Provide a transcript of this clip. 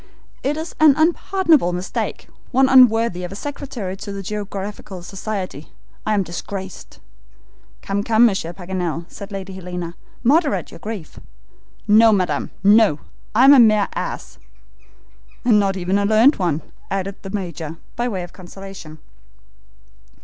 It is an unpardonable mistake, one unworthy of a secretary of the Geographical Society. I am disgraced!" "Come, come, Monsieur Paganel," said Lady Helena; "moderate your grief." "No, madam, no; I am a mere ass!" "And not even a learned one!" added the Major, by way of consolation.